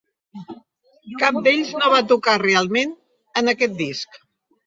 Cap d'ells no va tocar realment en aquest disc.